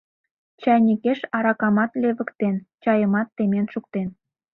Чайникеш аракамат левыктен, чайымат темен шуктен.